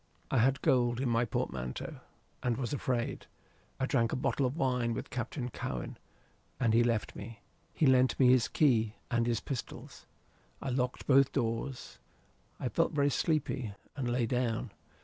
"I had gold in my portmanteau, and was afraid. I drank a bottle of wine with Captain Cowen, and he left me. He lent me his key and his pistols. I locked both doors. I felt very sleepy, and lay down.